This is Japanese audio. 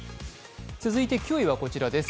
続いて９位はこちらです。